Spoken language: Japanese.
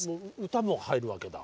歌も入るわけだ。